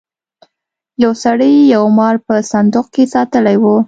یو سړي یو مار په صندوق کې ساتلی و.